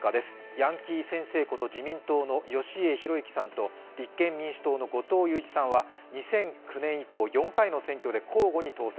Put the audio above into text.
ヤンキー先生こと自民党の義家弘介さんと立憲民主党の後藤祐一さんは２００９年以降４回の選挙で交互に当選。